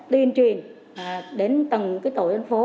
tuyên truyền đến tầng tàu dân phố